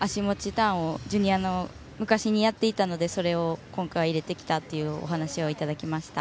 ターンを昔やっていたのでそれを今回、入れてきたというお話をいただきました。